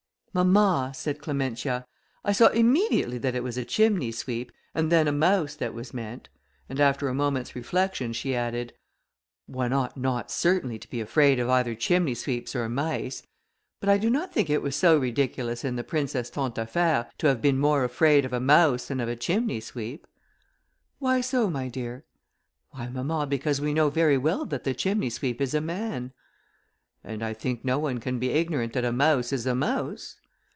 "Mamma," said Clementia, "I saw immediately that it was a chimney sweep, and then a mouse that was meant;" and after a moment's reflection, she added, "One ought not, certainly, to be afraid of either chimney sweeps or mice; but I do not think it was so ridiculous in the princess Tantaffaire, to have been more afraid of a mouse than of a chimney sweep." "Why so, my dear?" "Why, mamma, because we know very well that the chimney sweep is a man." "And I think no one can be ignorant that a mouse is a mouse."